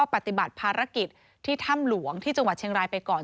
ปฏิบัติภารกิจที่ถ้ำหลวงที่จังหวัดเชียงรายไปก่อน